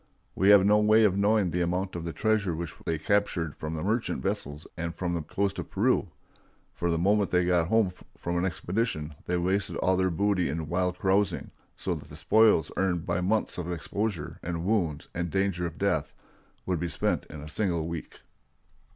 We have no way of knowing the amount of the treasure which they captured from the merchant vessels and from the coast of Peru; for the moment they got home from an expedition they wasted all their booty in wild carousing, so that the spoils earned by months of exposure, and wounds, and danger of death, would be spent in a single week.